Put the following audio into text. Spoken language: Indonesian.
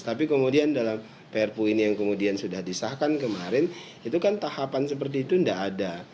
tapi kemudian dalam perpu ini yang kemudian sudah disahkan kemarin itu kan tahapan seperti itu tidak ada